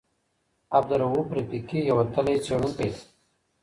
عبدالروف رفیقي یو وتلی څېړونکی دی.